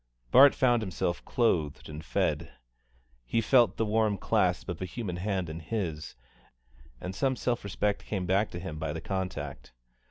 Bart found himself clothed and fed; he felt the warm clasp of a human hand in his, and some self respect came back to him by the contact.